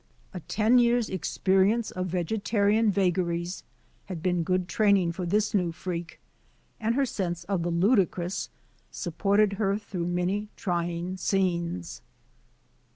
A ten years' experience of vegetarian vagaries had been good training for this new freak, and her sense of the ludicrous supported her through many trying scenes.